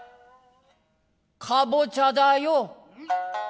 「かぼちゃだよ」。